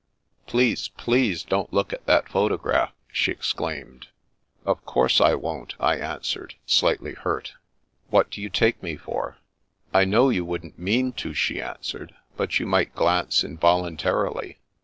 Please, ^ease don't look at that photo graph !" she exclaimed. " Of course I won't," I answered, slightly hurt. " What do you take me for ?"" I know you wouldn't mean to," she answered. " But you might glance involuntarily.